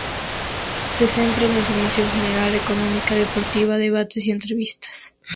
Se centra en la información general, económica, deportiva, debates y entrevistas.